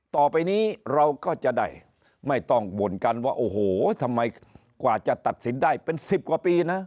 ต่อไปนี้เราก็จะได้ไม่ต้องบ่นกันว่าโอ้โหทำไมกว่าจะตัดสินได้เป็น๑๐กว่าปีนะ